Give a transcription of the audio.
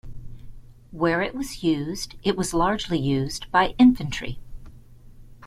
Where it was used, it was largely used by infantry.